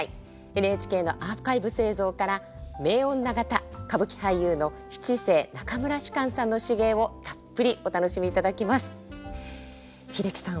ＮＨＫのアーカイブス映像から名女方歌舞伎俳優の七世中村芝さんの至芸をたっぷりお楽しみいただき英樹さん